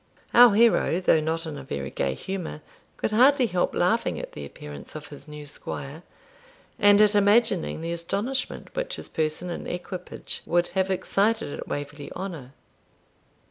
Our hero, though not in a very gay humour, could hardly help laughing at the appearance of his new squire, and at imagining the astonishment which his person and equipage would have excited at Waverley Honour.